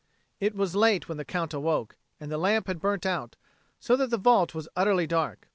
It was late when the Count awoke, and the lamp had burnt out, so that the vault was utterly dark.